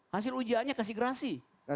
hasil ujiannya kasih grasi